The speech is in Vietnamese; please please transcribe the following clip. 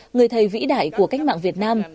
người thầy vĩ đại của cách mạng việt nam